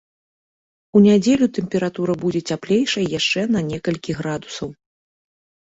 У нядзелю тэмпература будзе цяплейшая яшчэ на некалькі градусаў.